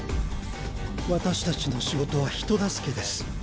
私たちの仕事は人助けです。